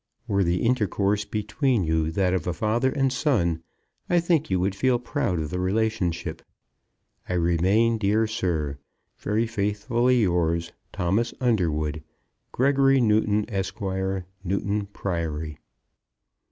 Were the intercourse between you that of a father and son, I think you would feel proud of the relationship. I remain, dear sir, Very faithfully yours, THOMAS UNDERWOOD. Gregory Newton, Esq., Newton Priory.